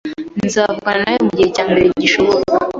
Nzavugana nawe mugihe cyambere gishoboka